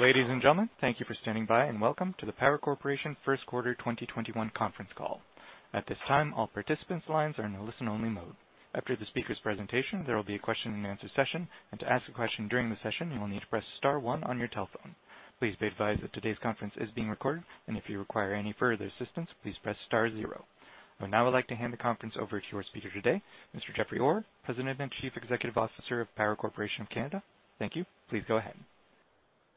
Ladies and gentlemen, thank you for standing by. Welcome to the Power Corporation First Quarter 2021 conference call. At this time, all participants' lines are in a listen-only mode. After the speakers' presentation, there will be a question-and-answer session. To ask a question during the session, you will need to press star one on your telephone. Please be advised that today's conference is being recorded. If you require any further assistance, please press star zero. I would now like to hand the conference over to our speaker today, Mr. Jeffrey Orr, President and Chief Executive Officer of Power Corporation of Canada. Thank you. Please go ahead.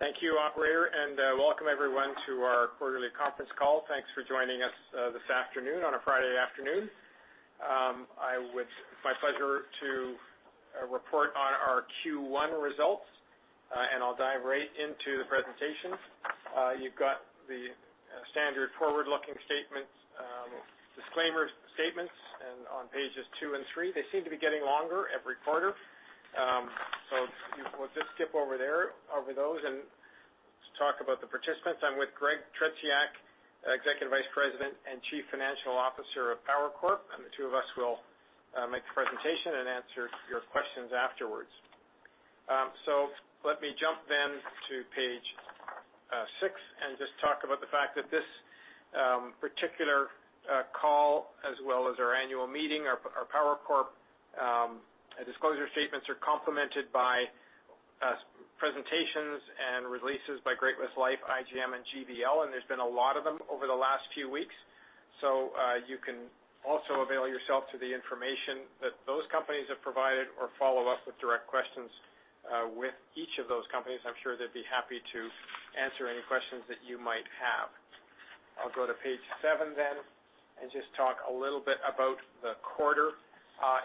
Thank you, operator. Welcome everyone to our quarterly conference call. Thanks for joining us this afternoon on a Friday afternoon. It's my pleasure to report on our Q1 results. I'll dive right into the presentation. You've got the standard forward-looking statements, disclaimer statements on pages two and three. They seem to be getting longer every quarter. We'll just skip over those and just talk about the participants. I'm with Gregory D. Tretiak, Executive Vice President and Chief Financial Officer of Power Corp, and the two of us will make the presentation and answer your questions afterwards. So, let me jump then to page six and just talk about the fact that this particular call as well as our annual meeting, our Power Corp disclosure statements are complemented by presentations and releases by Great-West Lifeco, IGM Financial, and GBL, and there's been a lot of them over the last few weeks. You can also avail yourself to the information that those companies have provided or follow up with direct questions with each of those companies. I'm sure they'd be happy to answer any questions that you might have. I'll go to page seven then and just talk a little bit about the quarter.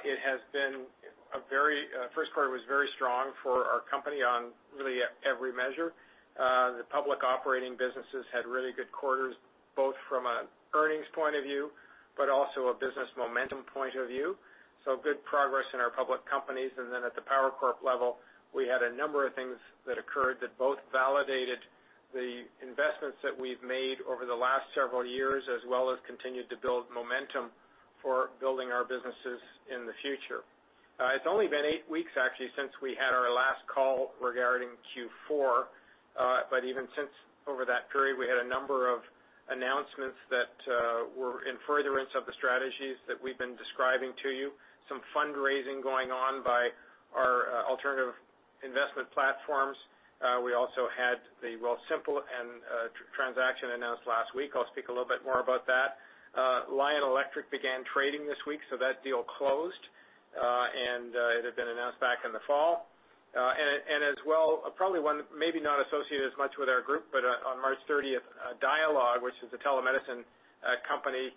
It has been a very, first quarter was very strong for our company on really every measure. The public operating businesses had really good quarters, both from an earnings point of view, but also a business momentum point of view. Good progress in our public companies. At the Power Corp level, we had a number of things that occurred that both validated the investments that we've made over the last several years, as well as continued to build momentum for building our businesses in the future. It's only been eight weeks, actually, since we had our last call regarding Q4. Even since over that period, we had a number of announcements that were in furtherance of the strategies that we've been describing to you, some fundraising going on by our alternative investment platforms. We also had the Wealthsimple transaction announced last week. I'll speak a little bit more about that. Lion Electric began trading this week, so that deal closed. It had been announced back in the fall. As well, probably maybe not associated as much with our group, but on March 30th, Dialogue, which is a telemedicine company,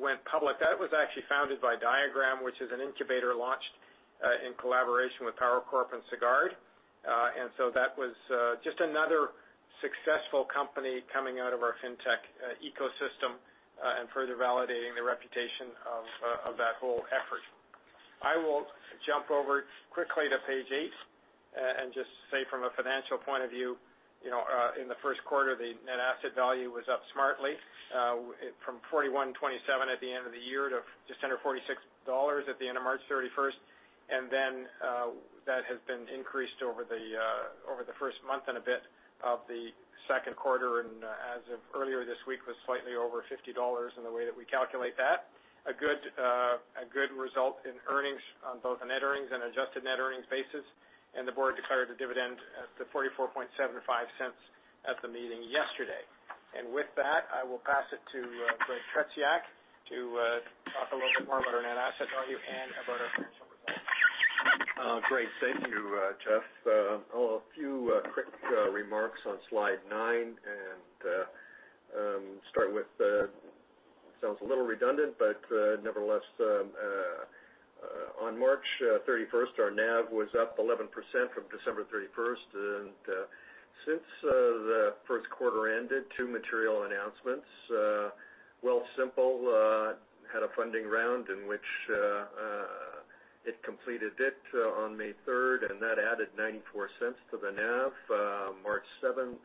went public. That was actually founded by Diagram, which is an incubator launched in collaboration with Power Corp and Sagard. That was just another successful company coming out of our fintech ecosystem and further validating the reputation of that whole effort. I will jump over quickly to page eight and just say from a financial point of view, in the first quarter, the net asset value was up smartly from 41.27 at the end of the year to just under 46 dollars at the end of March 31st. That has been increased over the first month and a bit of the second quarter, and as of earlier this week was slightly over 50 dollars in the way that we calculate that. A good result in earnings on both a net earnings and adjusted net earnings basis. The board declared a dividend at the 0.4475 at the meeting yesterday. With that, I will pass it to Gregory D. Tretiak to talk a little bit more about our net asset value and about our financial results. Great. Thank you, Jeff. A few quick remarks on slide nine, start with. It sounds a little redundant, but nevertheless, on March 31st, our NAV was up 11% from December 31st. Since the first quarter ended, two material announcements. Wealthsimple had a funding round in which it completed it on May 3rd, that added 0.94 to the NAV. March 7th,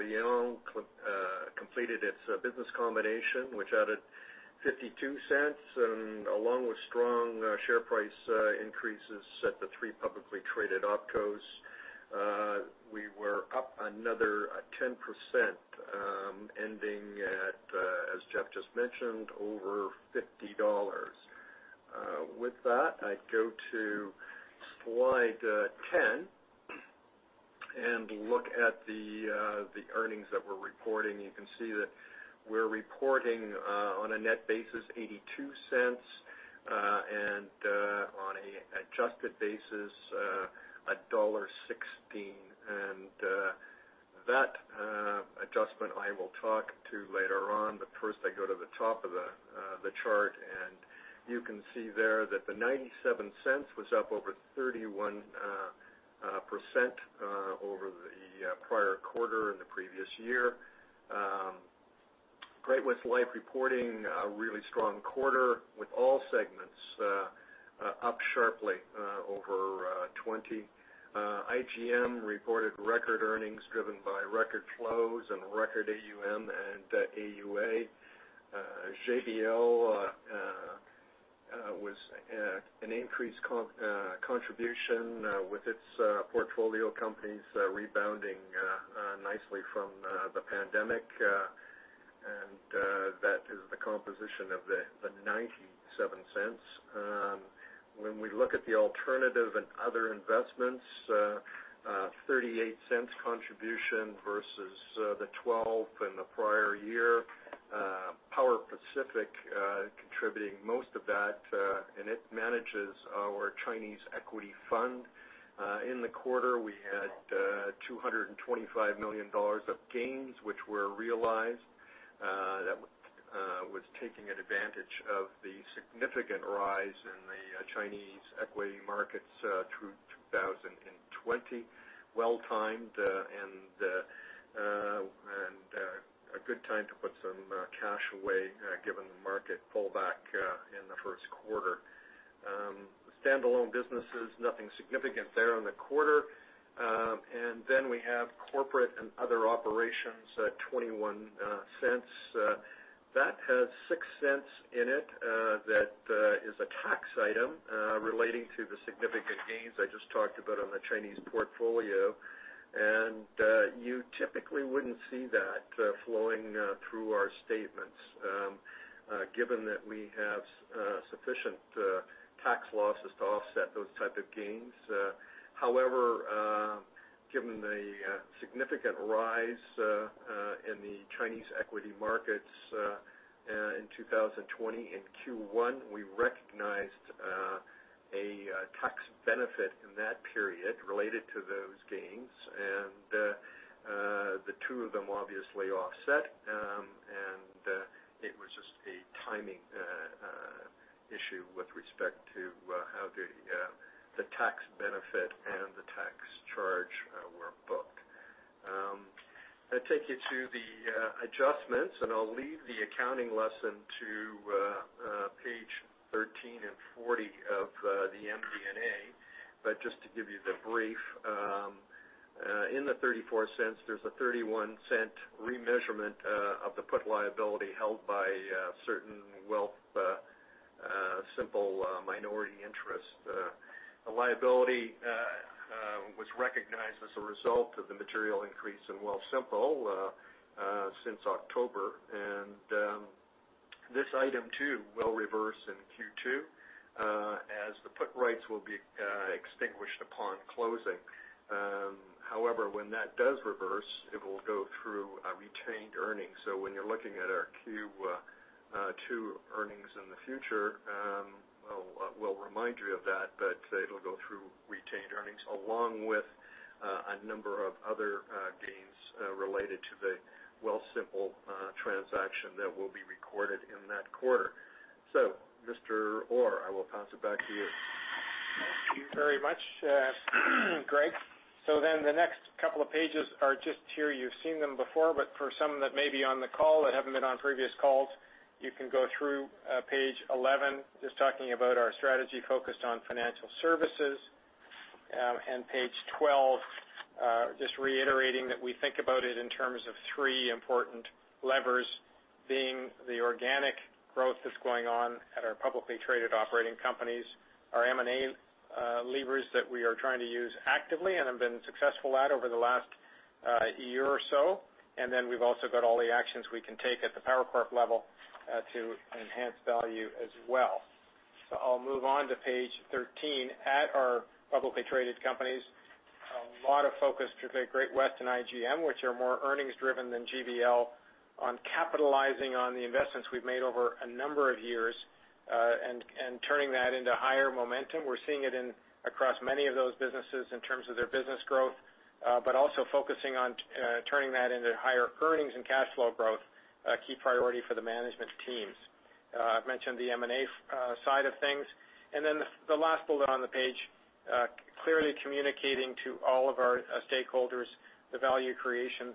Lion completed its business combination, which added 0.52, along with strong share price increases at the three publicly traded opcos. We were up another 10%, ending at, as Jeff just mentioned, over 50 dollars. With that, I go to slide 10 and look at the earnings that we're reporting. You can see that we're reporting on a net basis 0.82, on an adjusted basis, $1.16. That adjustment I will talk to later on. First I go to the top of the chart, and you can see there that the 0.97 was up over 31% over the prior quarter in the previous year. Great-West Lifeco reporting a really strong quarter with all segments up sharply, over 20. IGM reported record earnings driven by record flows and record AUM and AUA. GBL was an increased contribution with its portfolio companies rebounding nicely from the pandemic, that is the composition of the 0.97. When we look at the alternative and other investments, 0.38 contribution versus the 12 in the prior year. Power Pacific contributing most of that, it manages our Chinese equity fund. In the quarter, we had 225 million dollars of gains, which were realized. That was taking advantage of the significant rise in the Chinese equity markets through 2020. Well-timed and a good time to put some cash away given the market pullback in the first quarter. Standalone businesses, nothing significant there in the quarter. We have corporate and other operations at 0.21. That has 0.06 in it that is a tax item relating to the significant gains I just talked about on the Chinese portfolio. You typically wouldn't see that flowing through our statements given that we have sufficient tax losses to offset those type of gains. However, given the significant rise in the Chinese equity markets in 2020, in Q1, we recognized a tax benefit in that period related to those gains. The two of them obviously offset, and it was just a timing issue with respect to how the tax benefit and the tax charge were booked. I take you to the adjustments. I'll leave the accounting lesson to page 13 and 40 of the MD&A. Just to give you the brief, in the 0.34, there's a 0.31 remeasurement of the put liability held by certain Wealthsimple minority interest. The liability was recognized as a result of the material increase in Wealthsimple since October. This item too will reverse in Q2 as the put rights will be extinguished upon closing. However, when that does reverse, it will go through our retained earnings. So, when you're looking at our Q2 earnings in the future, we'll remind you of that, but it'll go through retained earnings along with a number of other gains related to the Wealthsimple transaction that will be recorded in that quarter. So, Mr. Orr, I will pass it back to you. Thank you very much, Greg. The next couple of pages are just here. You've seen them before, but for some that may be on the call that haven't been on previous calls, you can go through page 11, just talking about our strategy focused on financial services. Page 12, just reiterating that we think about it in terms of three important levers being the organic growth that's going on at our publicly traded operating companies, our M&A levers that we are trying to use actively and have been successful at over the last year or so. Then ,we've also got all the actions we can take at the Power Corp level to enhance value as well. I'll move on to page 13 at our publicly traded companies. A lot of focus to the Great-West and IGM, which are more earnings driven than GBL on capitalizing on the investments we've made over a number of years, turning that into higher momentum. We're seeing it in across many of those businesses in terms of their business growth. Also focusing on turning that into higher earnings and cash flow growth, a key priority for the management teams. I've mentioned the M&A side of things. The last bullet on the page, clearly communicating to all of our stakeholders the value creation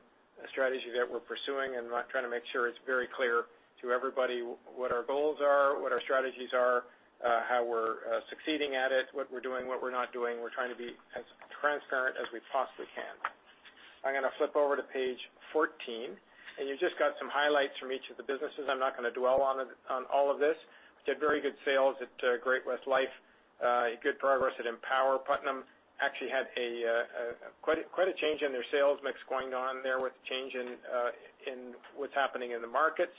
strategy that we're pursuing and trying to make sure it's very clear to everybody what our goals are, what our strategies are, how we're succeeding at it, what we're doing, what we're not doing. We're trying to be as transparent as we possibly can. I'm going to flip over to page 14, and you just got some highlights from each of the businesses. I'm not going to dwell on all of this. We had very good sales at Great-West Lifeco, good progress at Empower. Putnam actually had quite a change in their sales mix going on there with change in what's happening in the markets.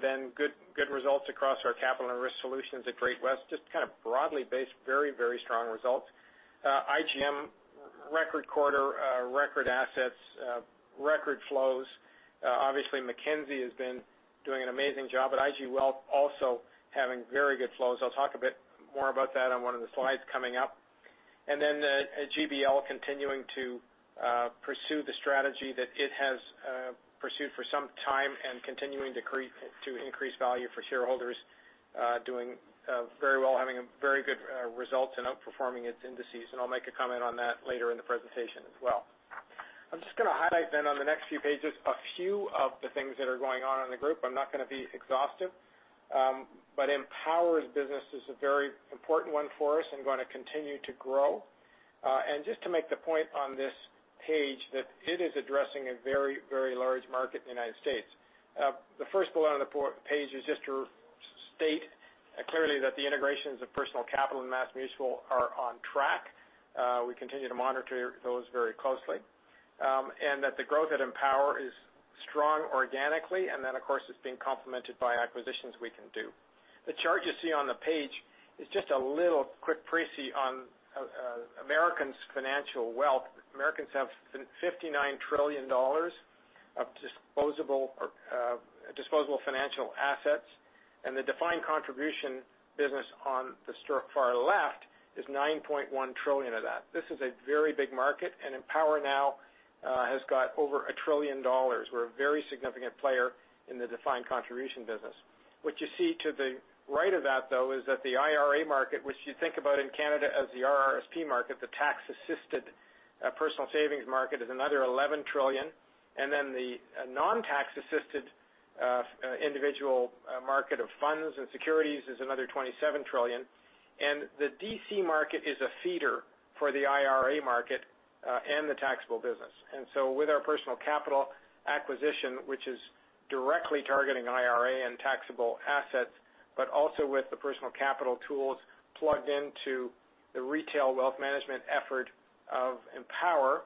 Then good results across our capital and risk solutions at Great-West Lifeco, just kind of broadly based, very strong results. IGM record quarter, record assets, record flows. Obviously Mackenzie has been doing an amazing job at IG Wealth Management also having very good flows. I'll talk a bit more about that on one of the slides coming up. Then, GBL continuing to pursue the strategy that it has pursued for some time and continuing to increase value for shareholders, doing very well, having very good results and outperforming its indices. I'll make a comment on that later in the presentation as well. I'm just going to highlight then on the next few pages a few of the things that are going on in the group. I'm not going to be exhaustive. Empower's business is a very important one for us and going to continue to grow. Just to make the point on this page that it is addressing a very, very large market in the United States. The first bullet on the page is just to state clearly that the integrations of Personal Capital and MassMutual are on track, we continue to monitor those very closely, and that the growth at Empower is strong organically, and then, of course, it's being complemented by acquisitions we can do. The chart you see on the page is just a little quick precis on Americans' financial wealth. Americans have 59 trillion dollars of disposable financial assets, and the defined contribution business on the far left is 9.1 trillion of that. This is a very big market, and Empower now has got over 1 trillion dollars. We're a very significant player in the defined contribution business. What you see to the right of that, though, is that the IRA market, which you think about in Canada as the RRSP market, the tax-assisted personal savings market, is another 11 trillion. The non-tax assisted individual market of funds and securities is another 27 trillion. The DC market is a feeder for the IRA market and the taxable business. With our Personal Capital acquisition, which is directly targeting IRA and taxable assets, but also with the Personal Capital tools plugged into the retail wealth management effort of Empower,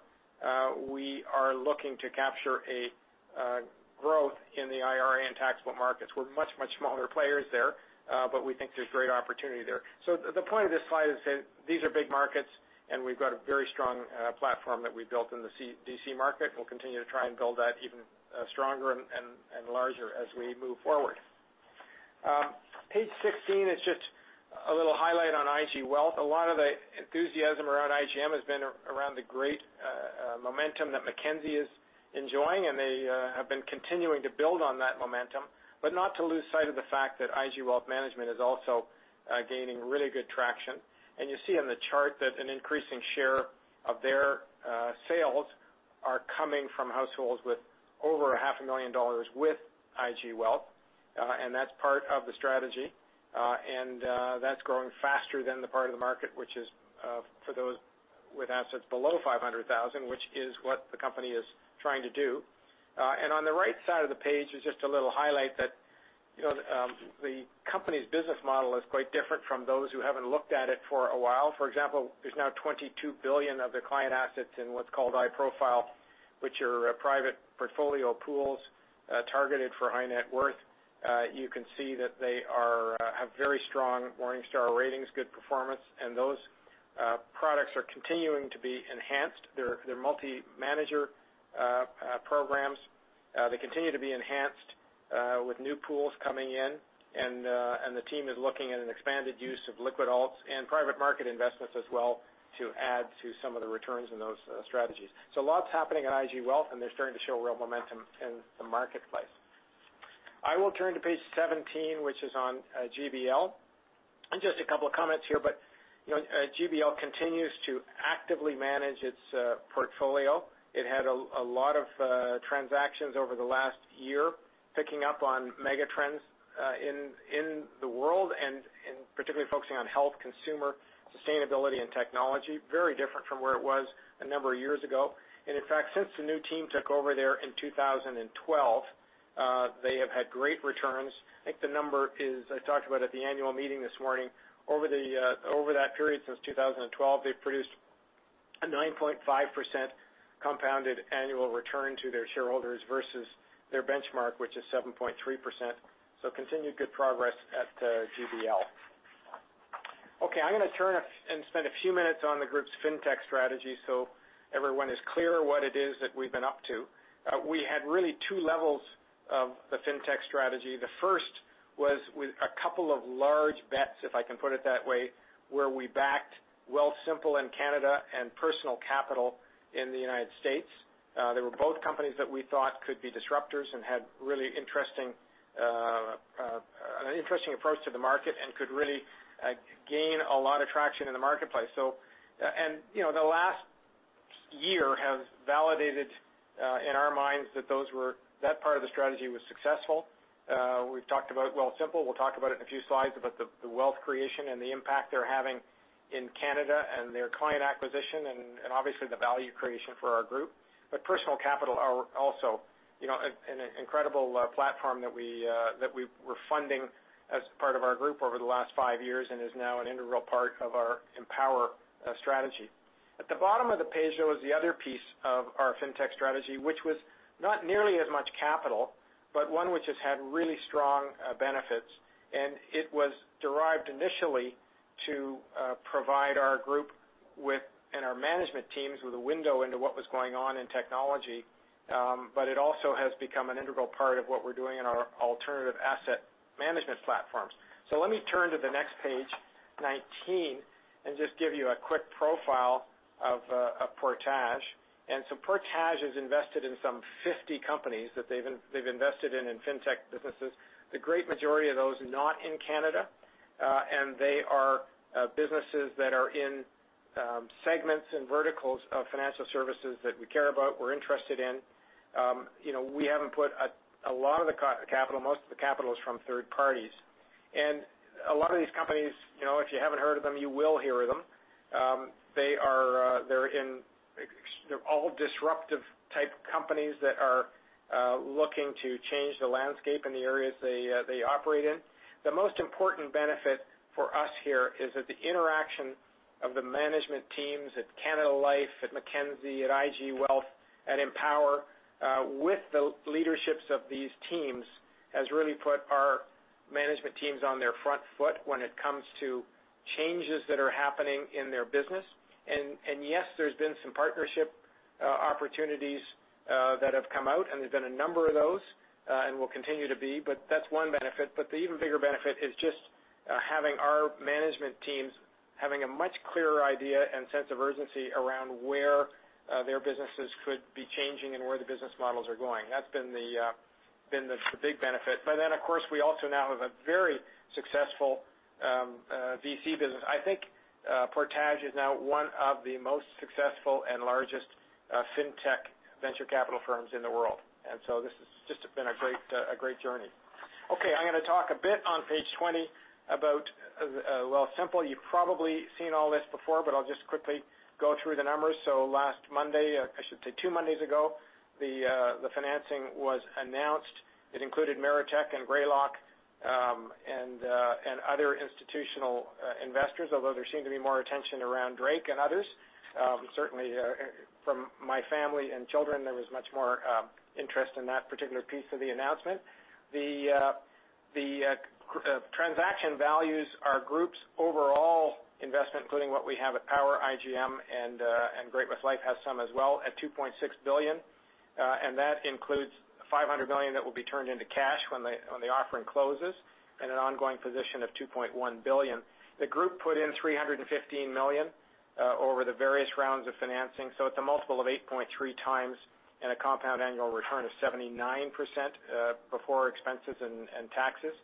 we are looking to capture a growth in the IRA and taxable markets. We're much, much smaller players there, but we think there's great opportunity there. So, the point of this slide is that these are big markets, and we've got a very strong platform that we built in the DC market, and we'll continue to try and build that even stronger and larger as we move forward. Page 16 is just a little highlight on IG Wealth. A lot of the enthusiasm around IGM has been around the great momentum that Mackenzie Investments is enjoying, they have been continuing to build on that momentum, not to lose sight of the fact that IG Wealth Management is also gaining really good traction. You see on the chart that an increasing share of their sales are coming from households with over a half a million dollars with IG Wealth Management. That's part of the strategy. That's growing faster than the part of the market, which is for those with assets below 500,000, which is what the company is trying to do. On the right side of the page is just a little highlight that the company's business model is quite different from those who haven't looked at it for a while. For example, there's now 22 billion of their client assets in what's called iProfile, which are private portfolio pools targeted for high net worth. You can see that they have very strong Morningstar ratings, good performance, and those products are continuing to be enhanced. They're multi-manager programs. They continue to be enhanced with new pools coming in, the team is looking at an expanded use of liquid alts and private market investments as well to add to some of the returns in those strategies. Lots happening at IG Wealth, they're starting to show real momentum in the marketplace. I will turn to page 17, which is on GBL. Just a couple of comments here, but GBL continues to actively manage its portfolio. It had a lot of transactions over the last year, picking up on mega trends in the world and particularly focusing on health, consumer, sustainability, and technology. Very different from where it was a number of years ago. In fact, since the new team took over there in 2012, they have had great returns. I think the number is, I talked about at the annual meeting this morning, over that period since 2012, they've produced a 9.5% compounded annual return to their shareholders versus their benchmark, which is 7.3%. So, continued good progress at GBL. Okay, I'm going to turn and spend a few minutes on the group's fintech strategy so everyone is clear what it is that we've been up to. We had really two levels of the fintech strategy. The first was with a couple of large bets, if I can put it that way, where we backed Wealthsimple in Canada and Personal Capital in the United States. They were both companies that we thought could be disruptors and had really an interesting approach to the market and could really gain a lot of traction in the marketplace. The last year has validated in our minds that that part of the strategy was successful. We've talked about Wealthsimple. We'll talk about it in a few slides about the wealth creation and the impact they're having in Canada and their client acquisition and obviously the value creation for our group. Personal Capital are also an incredible platform that we're funding as part of our group over the last five years and is now an integral part of our Empower strategy. At the bottom of the page, though, is the other piece of our fintech strategy, which was not nearly as much capital, but one which has had really strong benefits. It was derived initially to provide our group and our management teams with a window into what was going on in technology. But it also has become an integral part of what we're doing in our alternative asset management platforms. So, let me turn to the next page, 19, and just give you a quick profile of Portage. Portage has invested in some 50 companies that they've invested in fintech businesses. The great majority of those are not in Canada, and they are businesses that are in segments and verticals of financial services that we care about, we're interested in. You know, we haven't put a lot of the capital. Most of the capital is from third parties. A lot of these companies, if you haven't heard of them, you will hear of them. They're all disruptive type companies that are looking to change the landscape in the areas they operate in. The most important benefit for us here is that the interaction of the management teams at Canada Life, at Mackenzie, at IG Wealth, at Empower, with the leaderships of these teams, has really put our management teams on their front foot when it comes to changes that are happening in their business. Yes, there's been some partnership opportunities that have come out, and there's been a number of those, and will continue to be. That's one benefit. The even bigger benefit is just having our management teams having a much clearer idea and sense of urgency around where their businesses could be changing and where the business models are going. That's been the big benefit. But then, of course, we also now have a very successful VC business. I think Portage is now one of the most successful and largest fintech venture capital firms in the world. This has just been a great journey. Okay, I'm going to talk a bit on page 20 about Wealthsimple. You've probably seen all this before, but I'll just quickly go through the numbers. So last Monday, I should say two Mondays ago, the financing was announced. It included Meritech and Greylock, and other institutional investors, although there seemed to be more attention around Drake and others. Certainly from my family and children, there was much more interest in that particular piece of the announcement. The transaction values our group's overall investment, including what we have at Power IGM, and Great-West Life has some as well, at 2.6 billion. That includes 500 million that will be turned into cash when the offering closes and an ongoing position of 2.1 billion. The group put in 315 million over the various rounds of financing, so it's a multiple of 8.3 times and a compound annual return of 79% before expenses and taxes.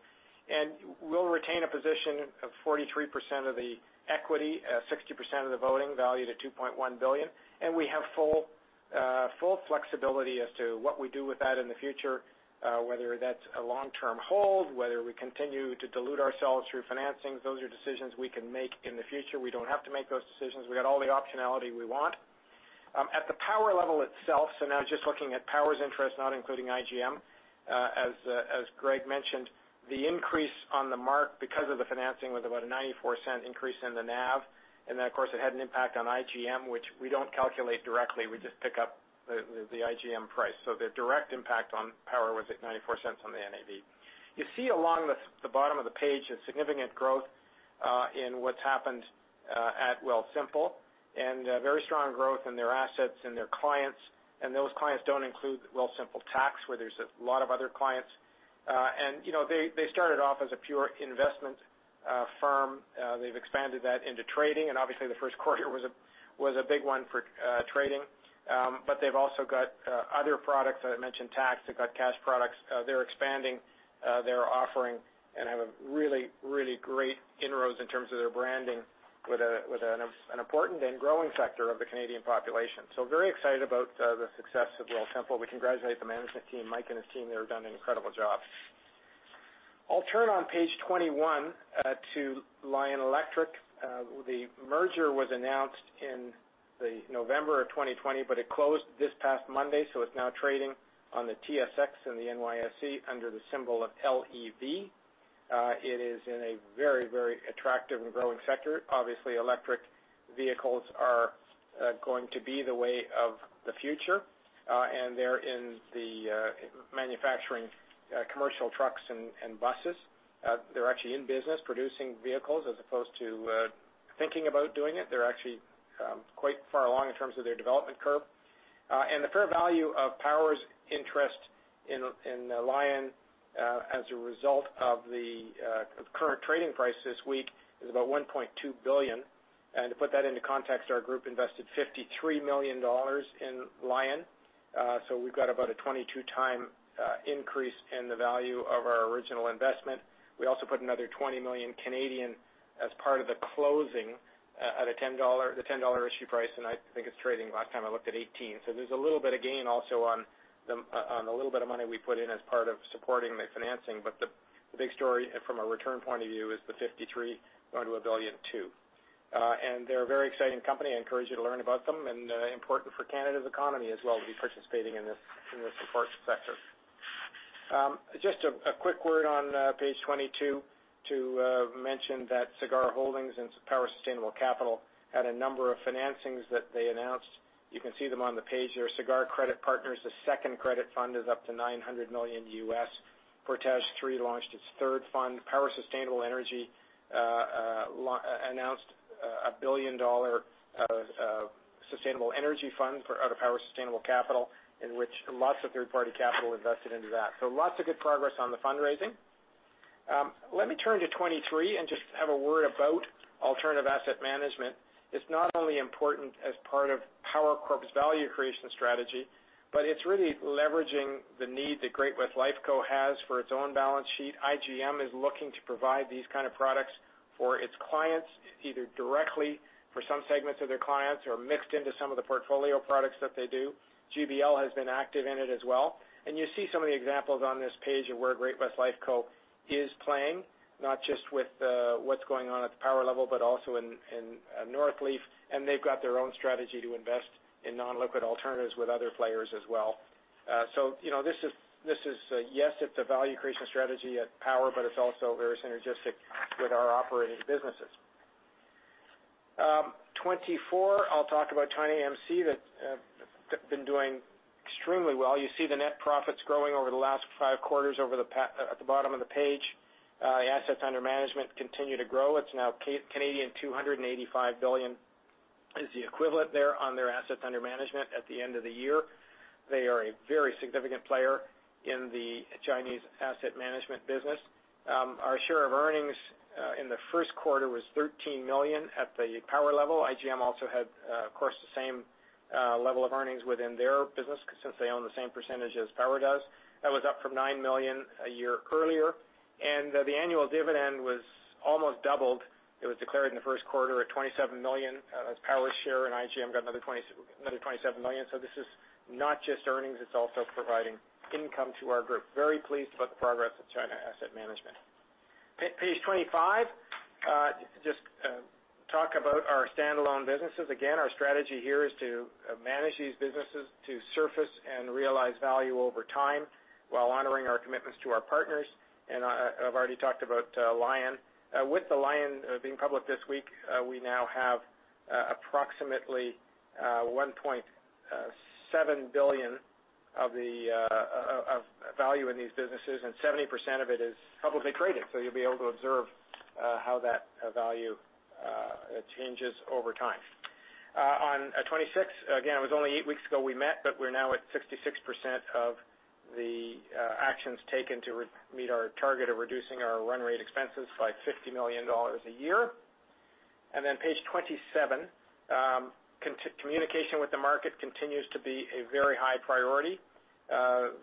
We'll retain a position of 43% of the equity, 60% of the voting value to 2.1 billion. We have full flexibility as to what we do with that in the future, whether that's a long-term hold, whether we continue to dilute ourselves through financings. Those are decisions we can make in the future. We don't have to make those decisions. We got all the optionality we want. At the Power level itself, so now just looking at Power's interest, not including IGM. As Greg mentioned, the increase on the mark because of the financing was about a 0.94 increase in the NAV, and then, of course, it had an impact on IGM, which we don't calculate directly. We just pick up the IGM price. So, the direct impact on Power was at 0.94 on the NAV. You see along the bottom of the page a significant growth in what's happened at Wealthsimple, and very strong growth in their assets and their clients, and those clients don't include Wealthsimple Tax, where there's a lot of other clients. They started off as a pure investment firm. They've expanded that into trading, and obviously the first quarter was a big one for trading. They've also got other products. I mentioned tax, they've got cash products. They're expanding their offering and have a really, really great inroads in terms of their branding with an important and growing sector of the Canadian population. Very excited about the success of Wealthsimple. We congratulate the management team, Mike and his team. They have done an incredible job. I'll turn on page 21 to The Lion Electric Company. The merger was announced in November of 2020. It closed this past Monday, it's now trading on the TSX and the NYSE under the symbol of LEV. It is in a very, very attractive and growing sector. Obviously, electric vehicles are going to be the way of the future, and they're in the manufacturing commercial trucks and buses. They're actually in business producing vehicles as opposed to thinking about doing it. They're actually quite far along in terms of their development curve. The fair value of Power's interest in Lion as a result of the current trading price this week is about 1.2 billion. To put that into context, our group invested 53 million dollars in Lion. We've got about a 22 times increase in the value of our original investment. We also put another 20 million Canadian dollars as part of the closing at the 10 dollar issue price, and I think it's trading, last time I looked, at 18. So there's a little bit of gain also on the little bit of money we put in as part of supporting the financing. The big story from a return point of view is the 53 going to 1.2 billion. They're a very exciting company. I encourage you to learn about them. Important for Canada's economy as well to be participating in this important sector. Just a quick word on page 22 to mention that Sagard Holdings and Power Sustainable had a number of financings that they announced. You can see them on the page there. Sagard Credit Partners' second credit fund is up to $900 million. Portage Fund III launched its third fund. Power Sustainable Energy announced a 1 billion dollar sustainable energy fund out of Power Sustainable, in which lots of third-party capital invested into that. Lots of good progress on the fundraising. Let me turn to page 23 and just have a word about alternative asset management. It's not only important as part of Power Corp's value creation strategy, but it's really leveraging the need that Great-West Lifeco has for its own balance sheet. IGM is looking to provide these kind of products for its clients, either directly for some segments of their clients or mixed into some of the portfolio products that they do. GBL has been active in it as well. You see some of the examples on this page of where Great-West Lifeco is playing, not just with what's going on at the Power level, but also in Northleaf, and they've got their own strategy to invest in non-liquid alternatives with other players as well. Yes, it's a value creation strategy at Power, but it's also very synergistic with our operating businesses. Page 24, I'll talk about China Asset Management that's been doing extremely well. You see the net profits growing over the last five quarters at the bottom of the page. Assets under management continue to grow. It's now 285 billion Canadian dollars is the equivalent there on their assets under management at the end of the year. They are a very significant player in the China Asset Management business. Our share of earnings in the first quarter was 13 million at the Power level. IGM also had, of course, the same level of earnings within their business since they own the same percentage as Power does. That was up from 9 million a year earlier. The annual dividend was almost doubled. It was declared in the first quarter at 27 million as Power share, and IGM got another 27 million. This is not just earnings, it's also providing income to our group. Very pleased about the progress of China Asset Management. Then, page 25 just talk about our standalone businesses. Again, our strategy here is to manage these businesses to surface and realize value over time while honoring our commitments to our partners. I've already talked about Lion. With Lion being public this week, we now have approximately 1.7 billion of value in these businesses, and 70% of it is publicly traded. You'll be able to observe how that value changes over time. On page 26, again, it was only eight weeks ago we met, but we're now at 66% of the actions taken to meet our target of reducing our run rate expenses by 50 million dollars a year. Page 27, communication with the market continues to be a very high priority.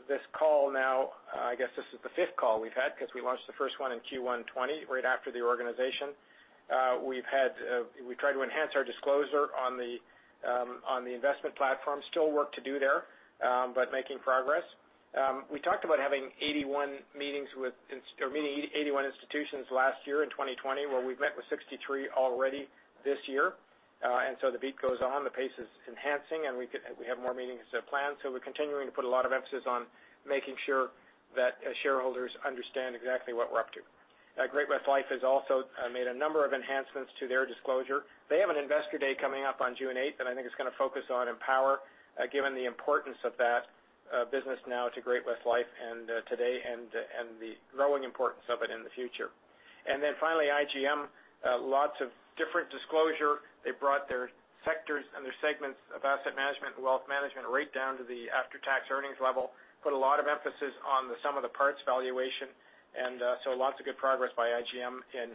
This call now, I guess this is the fifth call we've had because we launched the first one in Q1 2020, right after the reorganization. We've tried to enhance our disclosure on the investment platform. Still work to do there, but making progress. We talked about meeting 81 institutions last year in 2020, where we've met with 63 already this year. So, the beat goes on, the pace is enhancing, and we have more meetings planned. We're continuing to put a lot of emphasis on making sure that shareholders understand exactly what we're up to. Great-West Life has also made a number of enhancements to their disclosure. They have an investor day coming up on June 8th that I think is going to focus on Empower, given the importance of that business now to Great-West Life today and the growing importance of it in the future. Then finally, IGM, lots of different disclosure. They brought their sectors and their segments of asset management and wealth management right down to the after-tax earnings level. Put a lot of emphasis on the sum of the parts valuation, and so lots of good progress by IGM in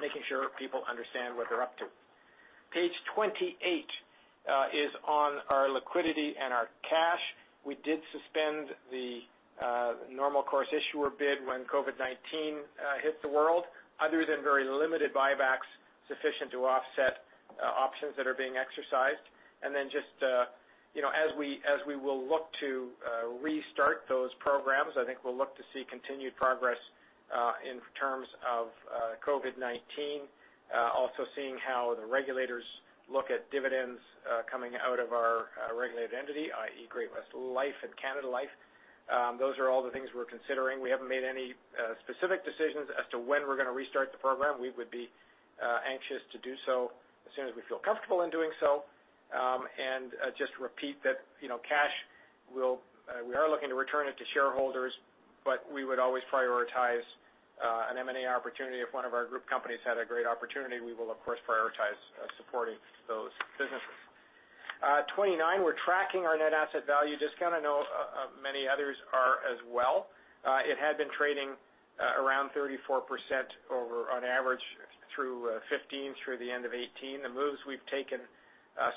making sure people understand what they're up to. Page 28 is on our liquidity and our cash. We did suspend the Normal Course Issuer Bid when COVID-19 hit the world, other than very limited buybacks sufficient to offset options that are being exercised. Then just as we will look to restart those programs, I think we'll look to see continued progress in terms of COVID-19. Also seeing how the regulators look at dividends coming out of our regulated entity, i.e., Great-West Life and Canada Life. Those are all the things we're considering. We haven't made any specific decisions as to when we're going to restart the program. We would be anxious to do so as soon as we feel comfortable in doing so. Just repeat that cash, we are looking to return it to shareholders, but we would always prioritize an M&A opportunity. If one of our group companies had a great opportunity, we will, of course, prioritize supporting those businesses. Page 29, we're tracking our net asset value discount. I know many others are as well. It had been trading around 34% over on average through 2015 through the end of 2018. The moves we've taken,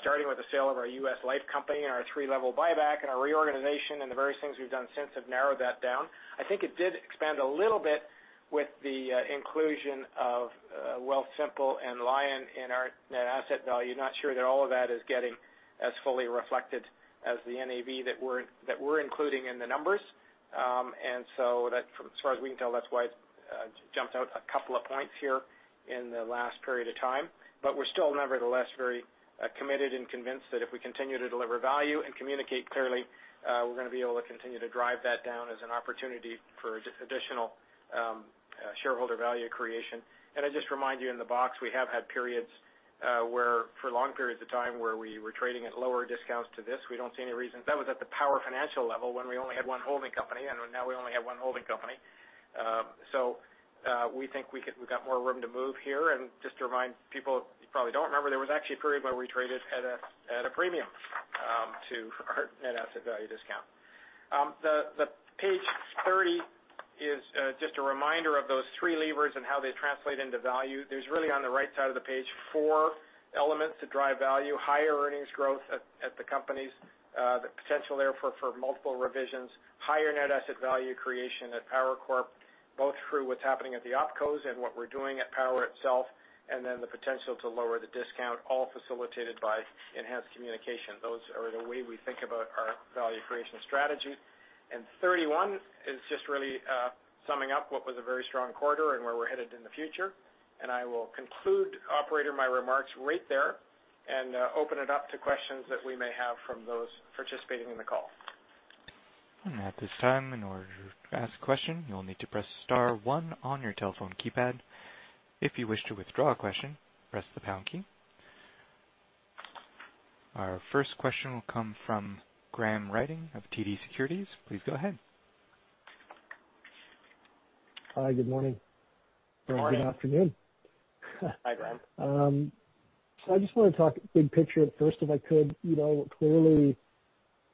starting with the sale of our U.S. Life company and our three-level buyback and our reorganization and the various things we've done since have narrowed that down. I think it did expand a little bit with the inclusion of Wealthsimple and Lion in our net asset value. Not sure that all of that is getting as fully reflected as the NAV that we're including in the numbers. As far as we can tell, that's why it jumped out a couple of points here in the last period of time. We're still, nevertheless, very committed and convinced that if we continue to deliver value and communicate clearly, we're going to be able to continue to drive that down as an opportunity for just additional shareholder value creation. I just remind you in the box, we have had periods where for long periods of time where we were trading at lower discounts to this. We don't see any reason. That was at the Power Financial level when we only had one holding company, and now we only have one holding company. So, we think we've got more room to move here. Just to remind people, you probably don't remember, there was actually a period where we traded at a premium to our net asset value discount. Page 30 is just a reminder of those three levers and how they translate into value. There's really on the right side of the page four elements to drive value, higher earnings growth at the companies, the potential there for multiple revisions, higher net asset value creation at Power Corp., both through what's happening at the opcos and what we're doing at Power itself, and then the potential to lower the discount, all facilitated by enhanced communication. Those are the way we think about our value creation strategy. Page 31 is just really summing up what was a very strong quarter and where we're headed in the future. I will conclude, operator, my remarks right there and open it up to questions that we may have from those participating in the call. And at this time, in order to ask a question, you'll need to press star one on your telephone keypad. If you wish to withdraw a question, press the pound key. Our first question will come from Graham Ryding of TD Securities. Please go ahead. Hi, good morning. Morning. Good afternoon. Hi, Graham. I just want to talk big picture at first, if I could. Clearly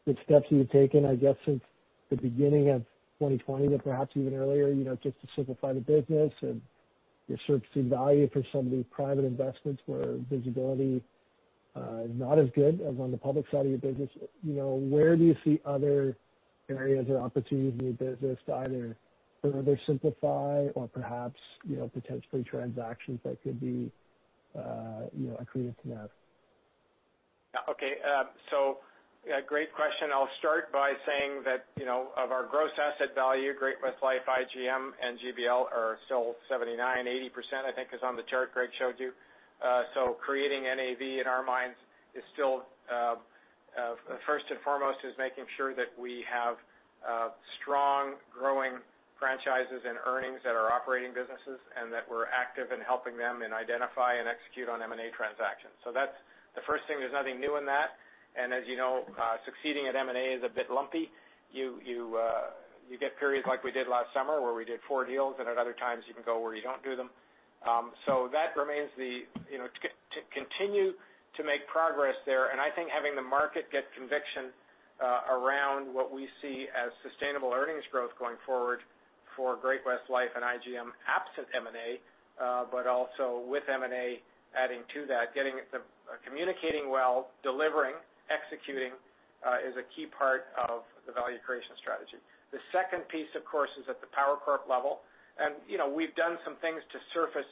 the steps you've taken, I guess, since the beginning of 2020, but perhaps even earlier, just to simplify the business and your search for value for some of the private investments where visibility is not as good as on the public side of your business. You know, where do you see other areas or opportunities in your business to either further simplify or perhaps potentially transactions that could be accretive to that? Great question. I'll start by saying that of our gross asset value, Great-West Lifeco, IGM, and GBL are still 79%-80%, I think is on the chart Gregory showed you. Creating NAV in our minds is still first and foremost is making sure that we have strong growing franchises and earnings that are operating businesses, and that we're active in helping them in identify and execute on M&A transactions. That's the first thing. There's nothing new in that. As you know succeeding at M&A is a bit lumpy. You get periods like we did last summer where we did four deals, and at other times you can go where you don't do them. That remains to continue to make progress there. I think having the market get conviction around what we see as sustainable earnings growth going forward for Great-West Life and IGM absent M&A, but also with M&A adding to that. Communicating well, delivering, executing is a key part of the value creation strategy. The second piece, of course, is at the Power Corp level. We've done some things to surface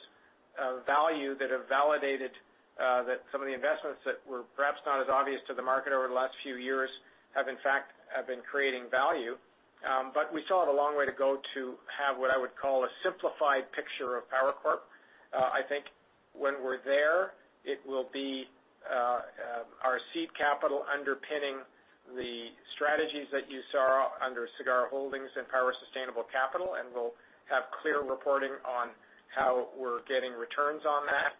value that have validated that some of the investments that were perhaps not as obvious to the market over the last few years have in fact been creating value. But we still have a long way to go to have what I would call a simplified picture of Power Corp. I think when we're there, it will be our seed capital underpinning the strategies that you saw under Sagard Holdings and Power Sustainable, and we'll have clear reporting on how we're getting returns on that.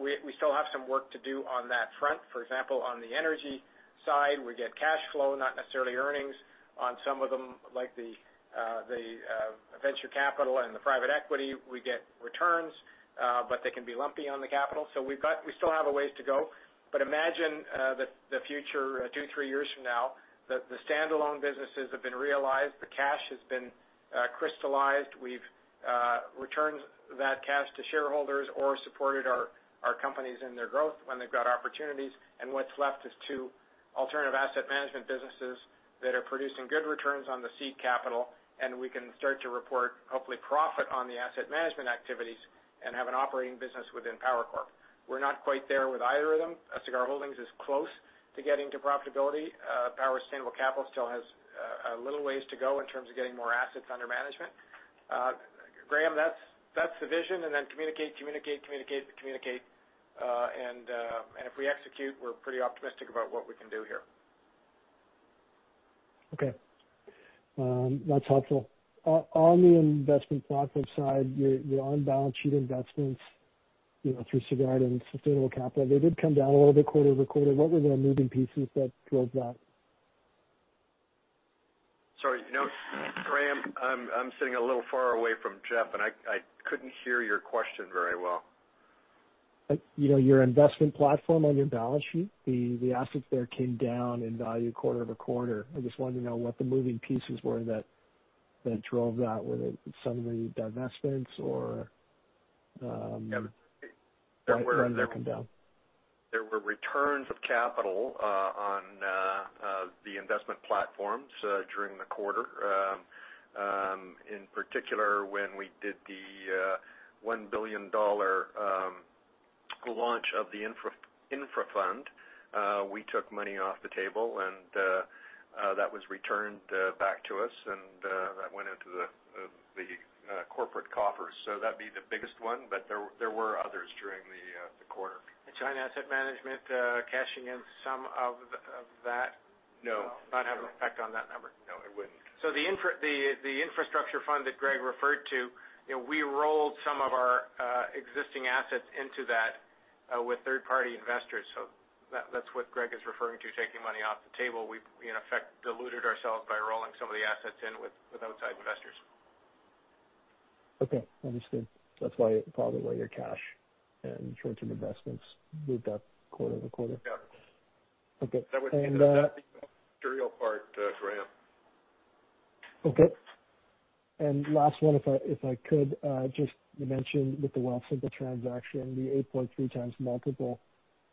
We still have some work to do on that front. For example, on the energy side, we get cash flow, not necessarily earnings on some of them, like the venture capital and the private equity. We get returns, but they can be lumpy on the capital. We still have a ways to go. Imagine the future two years, three years from now that the standalone businesses have been realized, the cash has been crystallized. We've returned that cash to shareholders or supported our companies in their growth when they've got opportunities. What's left is two alternative asset management businesses that are producing good returns on the seed capital. We can start to report hopefully profit on the asset management activities and have an operating business within Power Corp. We're not quite there with either of them. Sagard Holdings is close to getting to profitability. Power Sustainable Capital still has a little ways to go in terms of getting more assets under management. Graham, that's the vision. Then communicate. If we execute, we're pretty optimistic about what we can do here. Okay. That's helpful. On the investment platform side, your on-balance-sheet investments through Sagard and Power Sustainable, they did come down a little bit quarter-over-quarter. What were the moving pieces that drove that? Sorry. Graham, I'm sitting a little far away from Jeff, and I couldn't hear your question very well. Your investment platform on your balance sheet, the assets there came down in value quarter-over-quarter. I just wanted to know what the moving pieces were that drove that. Were they some of the divestments or why did that come down? There were returns of capital on the investment platforms during the quarter. In particular, when we did the 1 billion dollar launch of the infra fund we took money off the table, and that was returned back to us, and that went into the corporate coffers. That'd be the biggest one. But there were others during the quarter. China Asset Management cashing in some of that? No. Not have an effect on that number? No, it wouldn't. The infrastructure fund that Greg referred to, we rolled some of our existing assets into that with third-party investors. That's what Greg is referring to, taking money off the table. We in effect diluted ourselves by rolling some of the assets in with outside investors. Understood. That's why probably why your cash and short-term investments moved up quarter-over-quarter. Yeah. Okay. That would be the material part, Graham. Okay. Last one, if I could just mention with the Wealthsimple transaction, the 8.3 times multiple.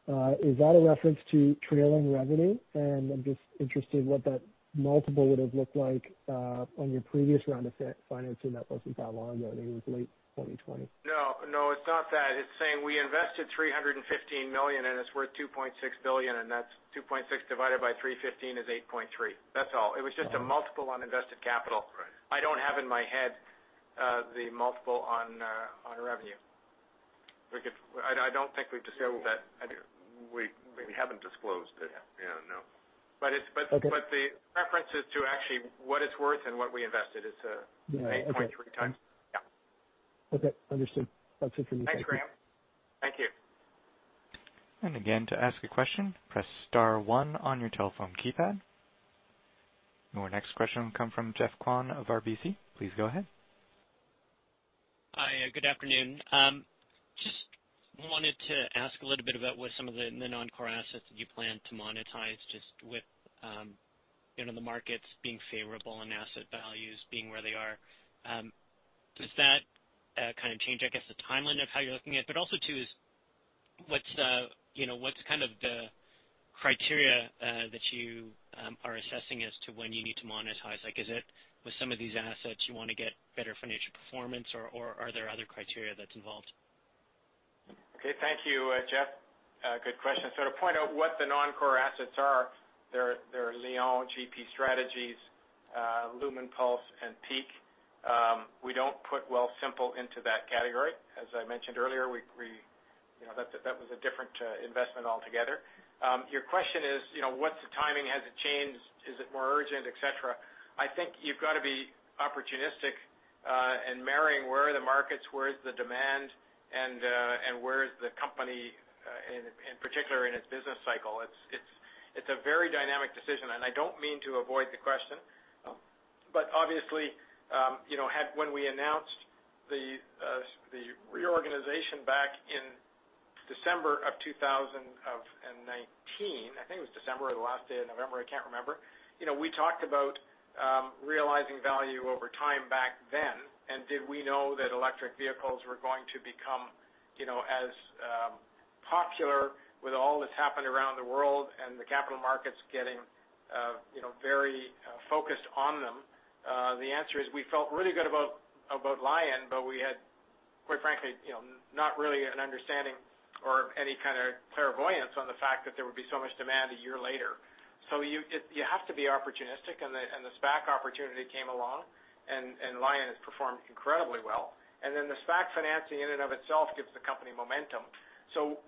Is that a reference to trailing revenue? I'm just interested what that multiple would have looked like on your previous round of financing. That wasn't that long ago. I think it was late 2020. No, it's not that. It's saying we invested 315 million, and it's worth 2.6 billion, and that's 2.6 billion divided by 315 million is 8.3. That's all. It was just a multiple on invested capital. Right. I don't have in my head the multiple on revenue. I don't think we've disclosed that. We haven't disclosed it. Yeah, no. The reference is to actually what it's worth and what we invested. It's 8.3 times. Yeah. Okay, understood. That's it for me. Thank you. Thanks, Graham. Thank you. Again, to ask a question, press star one on your telephone keypad. Our next question will come from Geoffrey Kwan of RBC. Please go ahead. Hi. Good afternoon. Just wanted to ask a little bit about what some of the non-core assets that you plan to monetize, just with the markets being favorable and asset values being where they are. Does that change, I guess, the timeline of how you're looking at it? Also too, what's the criteria that you are assessing as to when you need to monetize? Is it with some of these assets you want to get better financial performance, or are there other criteria that's involved? Okay. Thank you, Jeff. Good question. To point out what the non-core assets are, they are Lion, GP Strategies, Lumenpulse, and Peak. We don't put Wealthsimple into that category. As I mentioned earlier, that was a different investment altogether. Your question is, what's the timing? Has it changed? Is it more urgent, et cetera? I think you've got to be opportunistic in marrying where are the markets, where is the demand, and where is the company, in particular in its business cycle. It's a very dynamic decision, and I don't mean to avoid the question. But obviously, when we announced the reorganization back in December of 2019, I think it was December or the last day of November, I can't remember, we talked about realizing value over time back then. Did we know that electric vehicles were going to become as popular with all that's happened around the world and the capital markets getting very focused on them? The answer is we felt really good about Lion, but we had, quite frankly, not really an understanding or any kind of clairvoyance on the fact that there would be so much demand a year later. You have to be opportunistic, the SPAC opportunity came along, and Lion has performed incredibly well. Then the SPAC financing in and of itself gives the company momentum.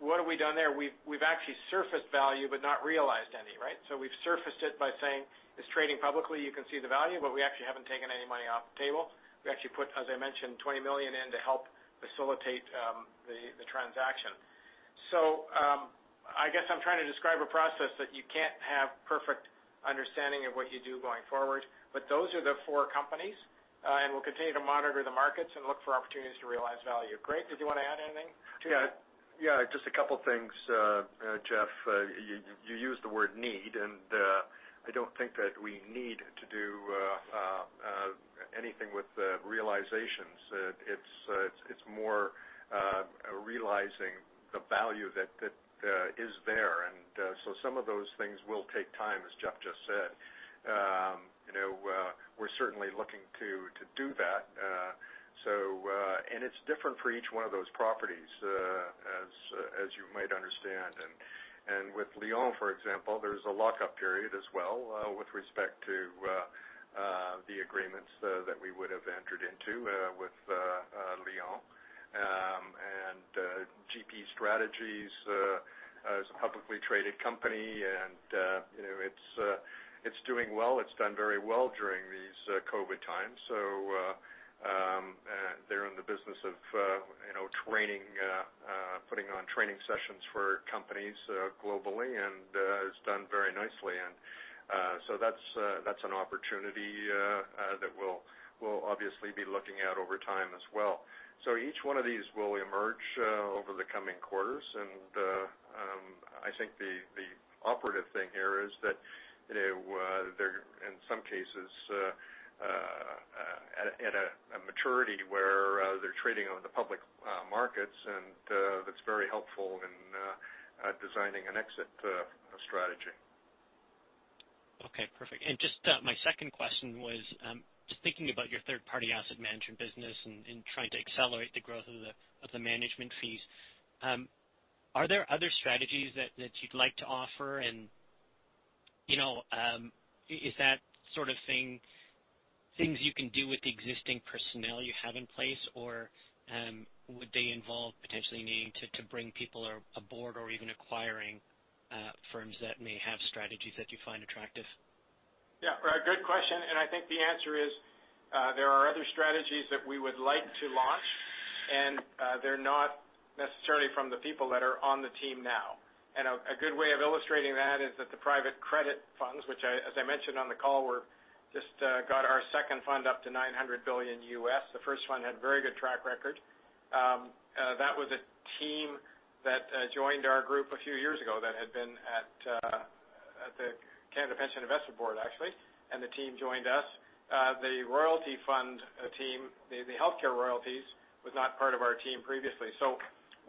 What have we done there? We've actually surfaced value but not realized any, right? We've surfaced it by saying it's trading publicly, you can see the value, but we actually haven't taken any money off the table. We actually put, as I mentioned, 20 million in to help facilitate the transaction. So, I guess I'm trying to describe a process that you can't have perfect understanding of what you do going forward. Those are the four companies, and we'll continue to monitor the markets and look for opportunities to realize value. Greg, did you want to add anything to that? Yeah, just a couple of things, Geoff. You used the word need, I don't think that we need to do anything with the realizations. It's more realizing the value that is there. Some of those things will take time, as Jeff just said. We're certainly looking to do that. It's different for each one of those properties, as you might understand. With Lion, for example, there's a lockup period as well with respect to the agreements that we would have entered into with Lion. GP Strategies is a publicly traded company, and it's doing well. It's done very well during these COVID times. So they're in the business of putting on training sessions for companies globally, and has done very nicely. That's an opportunity that we'll obviously be looking at over time as well. Each one of these will emerge over the coming quarters, and I think the operative thing here is that they're, in some cases, at a maturity where they're trading on the public markets, and that's very helpful in designing an exit strategy. Okay, perfect. Just my second question was, just thinking about your third-party asset management business and trying to accelerate the growth of the management fees. Are there other strategies that you'd like to offer? Is that sort of things you can do with the existing personnel you have in place, or would they involve potentially needing to bring people aboard or even acquiring firms that may have strategies that you find attractive? Yeah, good question. I think the answer is, there are other strategies that we would like to launch, and they're not necessarily from the people that are on the team now. A good way of illustrating that is that the private credit funds, which as I mentioned on the call, just got our second fund up to $900 million. The first fund had a very good track record. That was a team that joined our group a few years ago that had been at the Canada Pension Plan Investment Board actually, and the team joined us. The royalty fund team, the healthcare royalties, was not part of our team previously.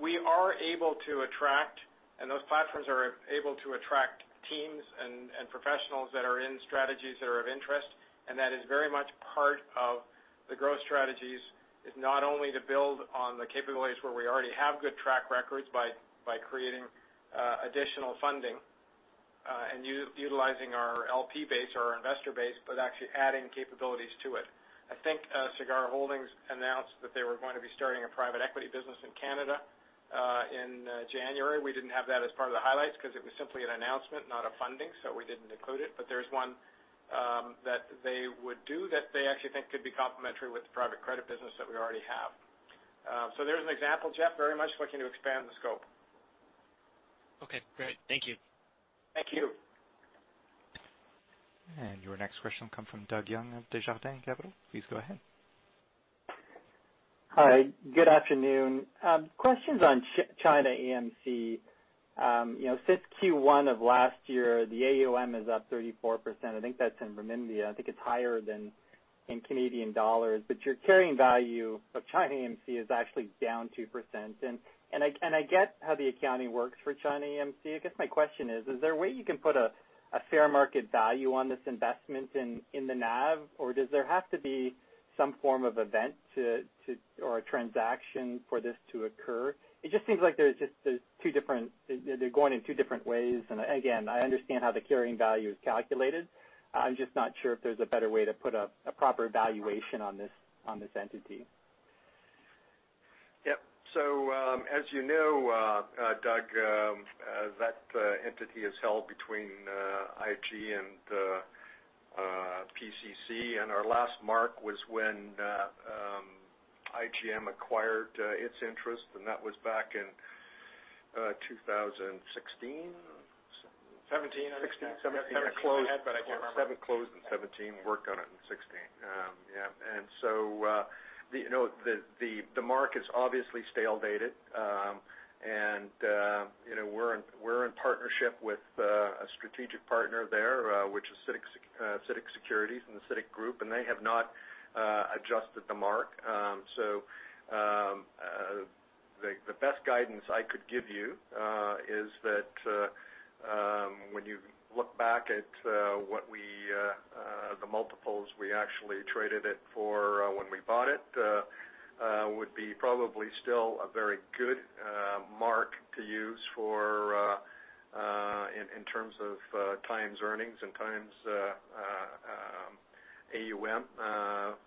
We are able to attract, and those platforms are able to attract teams and professionals that are in strategies that are of interest. That is very much part of the growth strategies is not only to build on the capabilities where we already have good track records by creating additional funding, and utilizing our LP base or our investor base, but actually adding capabilities to it. I think Sagard Holdings announced that they were going to be starting a private equity business in Canada, in January. We didn't have that as part of the highlights because it was simply an announcement, not a funding, so we didn't include it. There's one that they would do that they actually think could be complementary with the private credit business that we already have. There's an example, Geoffrey. Very much looking to expand the scope. Okay, great. Thank you. Thank you. Your next question will come from Doug Young of Desjardins Securities. Please go ahead. Hi, good afternoon. Questions on China AMC. Since Q1 of last year, the AUM is up 34%. I think that's in renminbi. I think it's higher than in Canadian dollars. Your carrying value of China AMC is actually down 2%. Can I get how the accounting works for China AMC. I guess my question is there a way you can put a fair market value on this investment in the NAV, or does there have to be some form of event or a transaction for this to occur? It just seems like they're going in two different ways. Again, I understand how the carrying value is calculated. I'm just not sure if there's a better way to put a proper valuation on this entity. Yep. As you know, Doug, that entity is held between IGM and PCC, and our last mark was when IGM acquired its interest, and that was back in 2016. 2017, I think. 2016, 2017. It might have been ahead, but I can't remember. It closed in 2017, worked on it in 2016. Yeah. The mark is obviously stale dated. We're in partnership with a strategic partner there, which is CITIC Securities and the CITIC Group, and they have not adjusted the mark. The best guidance I could give you is that when you look back at the multiples we actually traded it for when we bought it would be probably still a very good mark to use in terms of times earnings and times AUM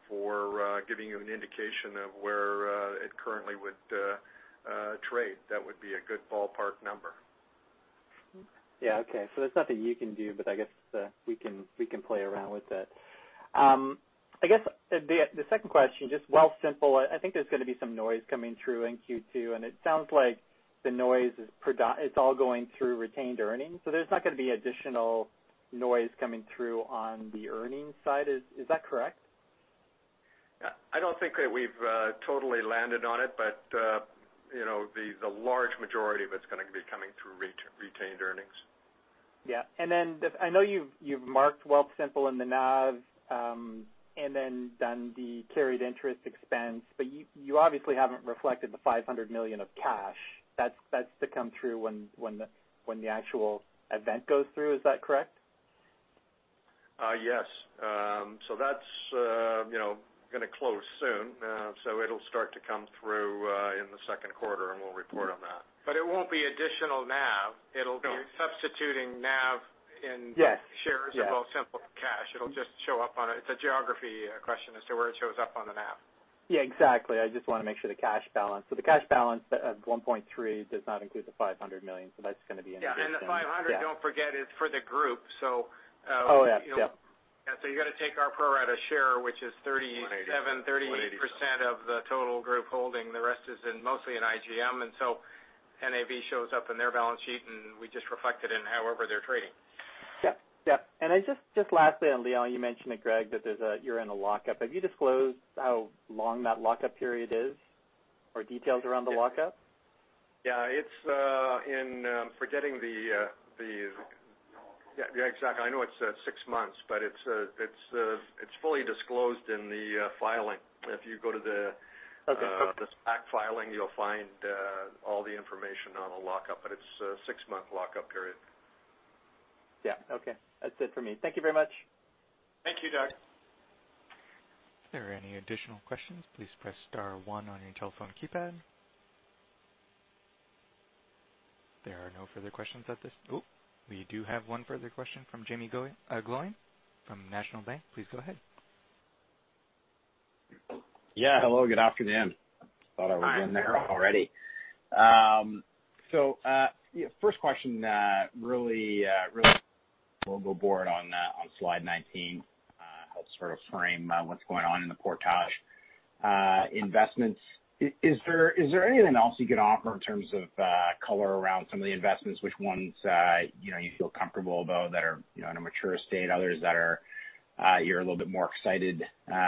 for giving you an indication of where it currently would trade. That would be a good ballpark number. Yeah, okay. There's nothing you can do, but I guess we can play around with it. I guess the second question, just Wealthsimple, I think there's going to be some noise coming through in Q2, and it sounds like the noise, it's all going through retained earnings. There's not going to be additional noise coming through on the earnings side. Is that correct? I don't think that we've totally landed on it, but the large majority of it's going to be coming through retained earnings. Yeah. I know you've marked Wealthsimple in the NAV, and then done the carried interest expense, but you obviously haven't reflected the 500 million of cash. That's to come through when the actual event goes through. Is that correct? Yes. That's going to close soon. It'll start to come through in the second quarter, and we'll report on that. It won't be additional NAV. No. It'll be substituting NAV in. Yes Shares of Wealthsimple cash. It's a geography question as to where it shows up on the NAV. Yeah, exactly. I just want to make sure the cash balance. The cash balance of 1.3 does not include the 500 million, that's going to be an addition. Yeah, the 500 million, don't forget, is for the group. Oh, yeah. Yep. You got to take our pro rata share, which is 37%. [inaudible] 38% of the total group holding. The rest is mostly in IGM. So NAV shows up in their balance sheet. We just reflect it in however they're trading. Yep. Yep. Just lastly on Lion, you mentioned it, Greg, that you're in a lockup. Have you disclosed how long that lockup period is, or details around the lockup? Yeah. I know it's six months, but it's fully disclosed in the filing. Okay The SPAC filing, you'll find all the information on the lockup, but it's a six-month lockup period. Yeah. Okay. That's it for me. Thank you very much. Thank you, Doug. If there are any additional questions, please press star one on your telephone keypad. There are no further questions. We do have one further question from Jaeme Gloyn from National Bank. Please go ahead. Yeah. Hello, good afternoon. Thought I was in there already. First question really global board on slide 19 helps sort of frame what's going on in the Portage investments. Is there anything else you can offer in terms of color around some of the investments? Which ones you feel comfortable about that are in a mature state, others you're a little bit more excited about?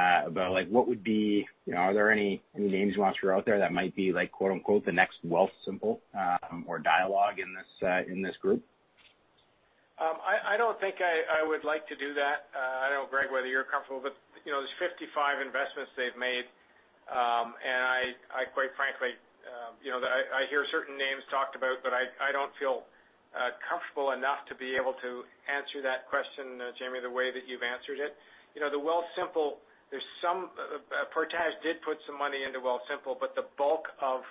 Are there any names you want to throw out there that might be "the next Wealthsimple" or Dialogue in this group? I don't think I would like to do that. I don't know, Greg, whether you're comfortable, but there are 55 investments they've made. I quite frankly, I hear certain names talked about, but I don't feel comfortable enough to be able to answer that question, Jaeme, the way that you've answered it. The Wealthsimple, Portage did put some money into Wealthsimple, but the bulk of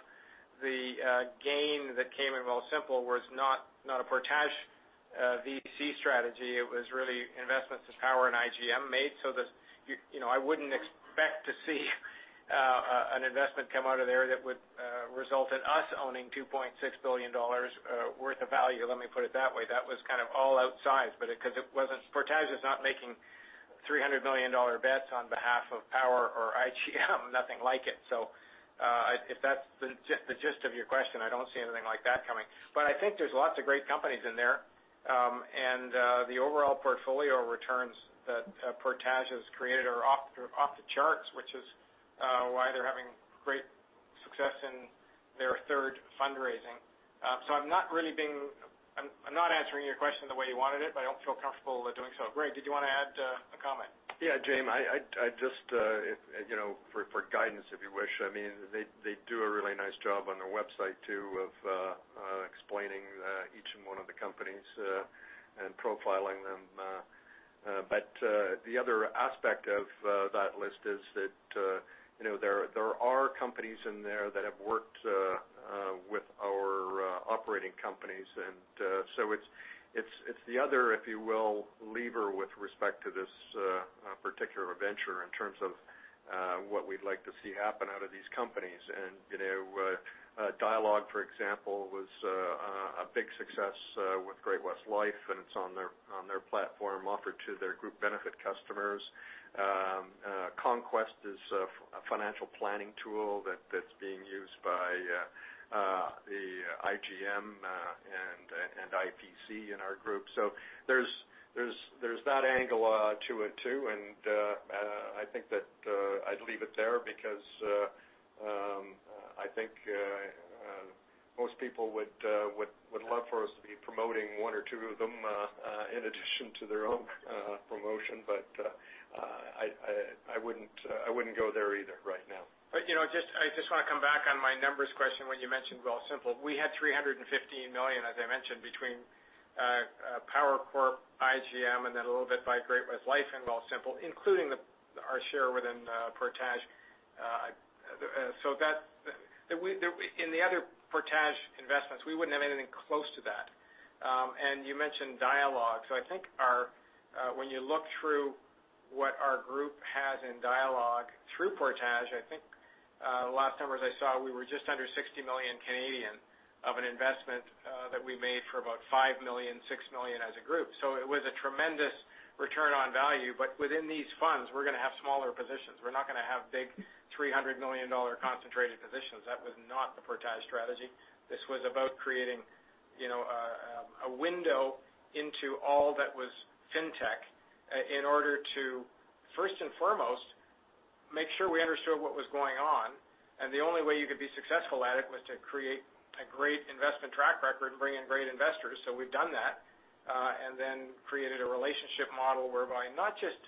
the gain that came in Wealthsimple was not a Portage VC strategy. It was really investments that Power and IGM made. I wouldn't expect to see an investment come out of there that would result in us owning 2.6 billion dollars worth of value, let me put it that way. That was kind of all outside, because Portage is not making 300 million dollar bets on behalf of Power or IGM, nothing like it. If that's the gist of your question, I don't see anything like that coming. I think there's lots of great companies in there. The overall portfolio returns that Portage has created are off the charts, which is why they're having great success in their third fundraising. I'm not answering your question the way you wanted it, but I don't feel comfortable with doing so. Greg, did you want to add a comment? Yeah, Jaeme, for guidance, if you wish. They do a really nice job on their website, too, of explaining each one of the companies and profiling them. The other aspect of that list is that there are companies in there that have worked with our operating companies. It's the other, if you will, lever with respect to this particular venture in terms of what we'd like to see happen out of these companies. Dialogue, for example, was a big success with Great-West Life, and it's on their platform offered to their group benefit customers. Conquest is a financial planning tool that's being used by IGM and IPC in our group. So, there's that angle to it, too, and I think that I'd leave it there because I think most people would love for us to be promoting one or two of them in addition to their own promotion. I wouldn't go there either right now. I just want to come back on my numbers question when you mentioned Wealthsimple. We had 315 million, as I mentioned, between Power Corp, IGM, and then a little bit by Great-West Lifeco and Wealthsimple, including our share within Portage. In the other Portage investments, we wouldn't have anything close to that. You mentioned Dialogue. I think when you look through what our group has in Dialogue through Portage, I think the last numbers I saw, we were just under 60 million of an investment that we made for about 5 million, 6 million as a group. It was a tremendous return on value. Within these funds, we're going to have smaller positions. We're not going to have big 300 million dollar concentrated positions. That was not the Portage strategy. This was about creating a window into all that was fintech in order to first and foremost, make sure we understood what was going on. The only way you could be successful at it was to create a great investment track record and bring in great investors. So we've done that, and then created a relationship model whereby not just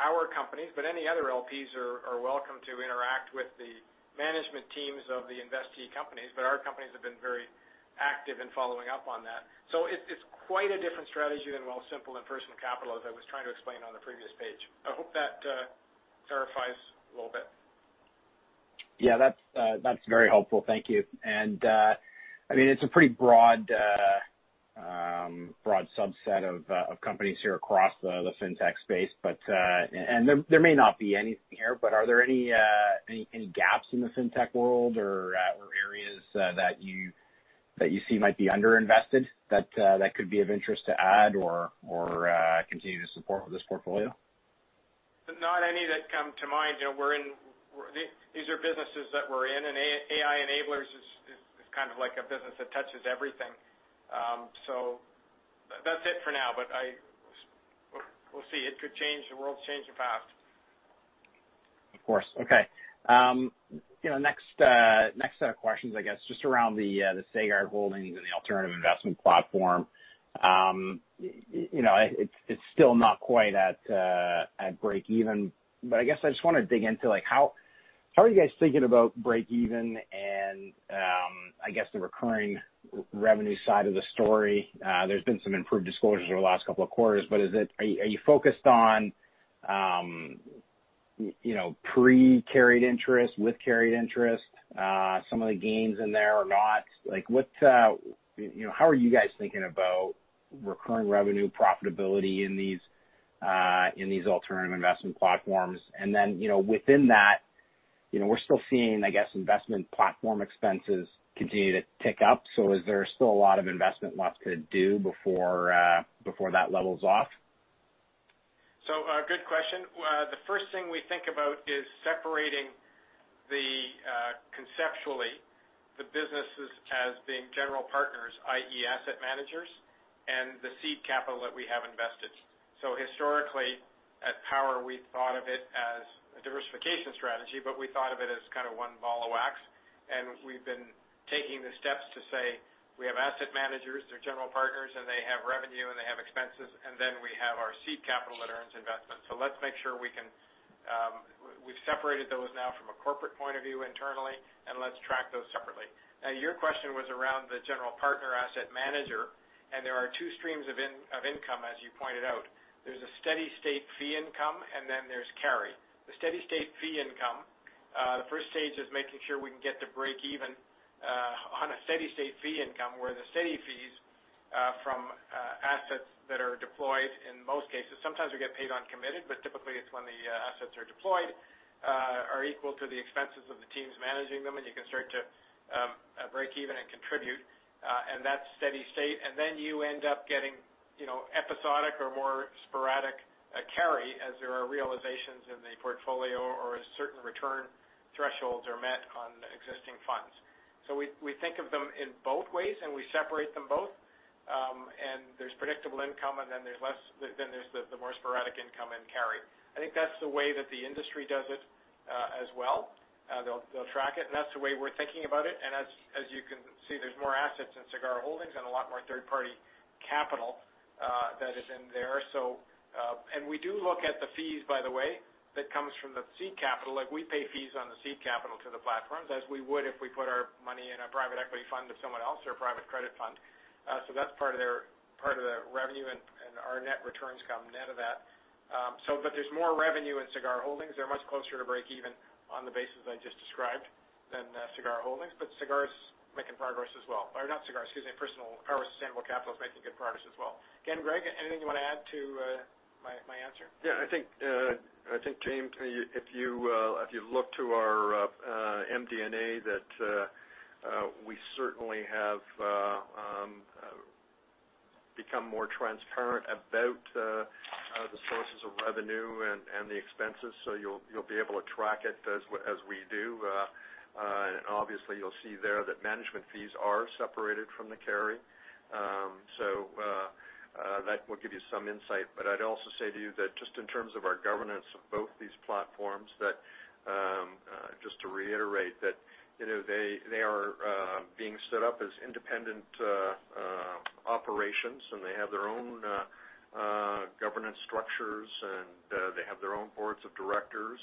our companies, but any other LPs are welcome to interact with the management teams of the investee companies. Our companies have been very active in following up on that. It's quite a different strategy than Wealthsimple and Personal Capital, as I was trying to explain on the previous page. I hope that clarifies a little bit. Yeah. That's very helpful. Thank you. It's a pretty broad subset of companies here across the fintech space. But there may not be anything here, but are there any gaps in the fintech world or areas that you see might be underinvested that could be of interest to add or continue to support with this portfolio? Not any that come to mind. These are businesses that we're in, and AI Enablers is kind of like a business that touches everything. That's it for now, but we'll see. It could change. The world's changing fast. Of course. Okay. Next set of questions, I guess, just around the Sagard Holdings and the alternative investment platform. It's still not quite at breakeven, but I guess I just want to dig into how are you guys thinking about breakeven and I guess the recurring revenue side of the story? There's been some improved disclosures over the last couple of quarters. Are you focused on pre-carried interest with carried interest some of the gains in there or not? How are you guys thinking about recurring revenue profitability in these alternative investment platforms? Within that, we're still seeing, I guess, investment platform expenses continue to tick up. Is there still a lot of investment left to do before that levels off? Good question. The first thing we think about is separating the conceptually, the businesses as being general partners, i.e., asset managers, and the seed capital that we have invested. So historically, at Power, we thought of it as a diversification strategy, but we thought of it as one ball of wax, and we've been taking the steps to say, "We have asset managers, they're general partners, and they have revenue, and they have expenses, and then we have our seed capital that earns investment. Let's make sure we've separated those now from a corporate point of view internally, and let's track those separately." Your question was around the general partner asset manager, and there are two streams of income, as you pointed out. There's a steady state fee income, and then there's carry. The steady state fee income, the first stage is making sure we can get to break even on a steady state fee income, where the steady fees from assets that are deployed in most cases. Sometimes we get paid on committed, but typically it's when the assets are deployed, are equal to the expenses of the teams managing them, and you can start to break even and contribute, and that's steady state. Then you end up getting episodic or more sporadic carry as there are realizations in the portfolio or as certain return thresholds are met on existing funds. So, we think of them in both ways, and we separate them both. There's predictable income, and then there's the more sporadic income in carry. I think that's the way that the industry does it as well. They'll track it, and that's the way we're thinking about it. As you can see, there's more assets in Sagard Holdings and a lot more third-party capital that is in there. We do look at the fees, by the way, that comes from the seed capital. We pay fees on the seed capital to the platforms, as we would if we put our money in a private equity fund with someone else or a private credit fund. That's part of their revenue, and our net returns come net of that. There's more revenue in Sagard Holdings. They're much closer to break even on the basis I just described than Sagard Holdings. Power Sustainable is making good progress as well. Again, Greg, anything you want to add to my answer? Yeah, I think, Jaeme, if you look to our MD&A that we certainly have become more transparent about the sources of revenue and the expenses, so you'll be able to track it as we do. Obviously, you'll see there that management fees are separated from the carry. So, that will give you some insight. I'd also say to you that just in terms of our governance of both these platforms, just to reiterate, that they are being set up as independent operations, and they have their own governance structures, and they have their own boards of directors.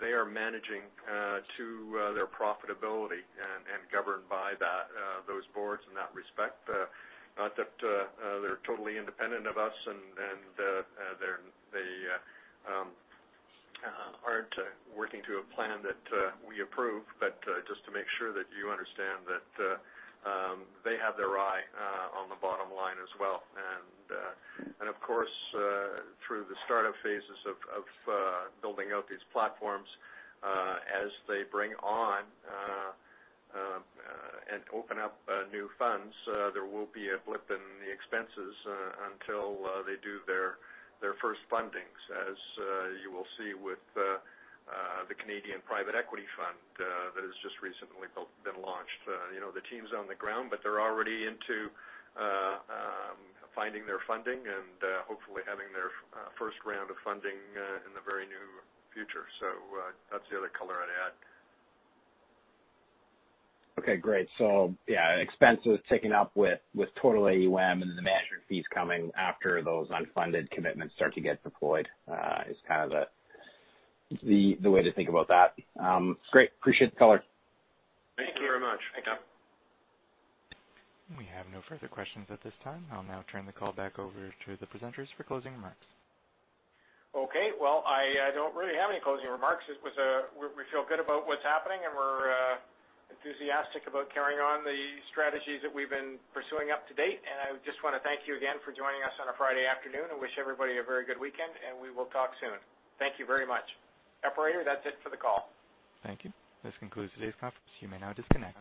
They are managing to their profitability and governed by those boards in that respect. Not that they're totally independent of us and they aren't working to a plan that we approve, but just to make sure that you understand that they have their eye on the bottom line as well. Of course, through the startup phases of building out these platforms, as they bring on and open up new funds, there will be a blip in the expenses until they do their first fundings, as you will see with the Canadian Private Equity Fund that has just recently been launched. The team's on the ground, but they're already into finding their funding and hopefully having their first round of funding in the very near future. That's the other color I'd add. Okay, great. Yeah, expenses ticking up with total AUM and the management fees coming after those unfunded commitments start to get deployed is the way to think about that. Great. Appreciate the color. Thank you very much. Thank you. We have no further questions at this time. I'll now turn the call back over to the presenters for closing remarks. Okay. Well, I don't really have any closing remarks. We feel good about what's happening. We're enthusiastic about carrying on the strategies that we've been pursuing up to date. I just want to thank you again for joining us on a Friday afternoon and wish everybody a very good weekend, and we will talk soon. Thank you very much. Operator, that's it for the call. Thank you. This concludes today's conference. You may now disconnect.